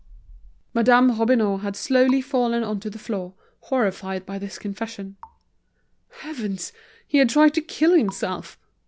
Madame Robineau had slowly fallen on to the floor, horrified by this confession. Heavens! he had tried to kill himself.